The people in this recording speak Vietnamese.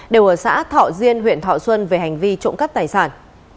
đều ở xã thọ diên huyện thọ xuân về hành vi trộm cắp tài sản